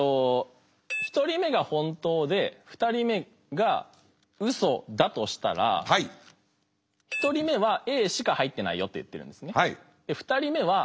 １人目が本当で２人目がウソだとしたら１人目はＡしか入ってないよと言ってるんですね。